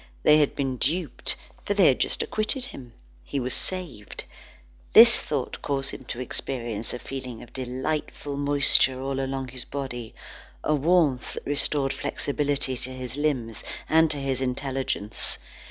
They had been duped, for they had just acquitted him. He was saved. This thought caused him to experience a feeling of delightful moisture all along his body, a warmth that restored flexibility to his limbs and to his intelligence.